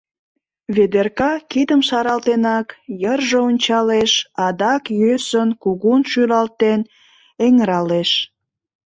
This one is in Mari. Ведерка, кидым шаралтенак, йырже ончалеш, адак йӧсын, кугун шӱлалтен эҥыралеш: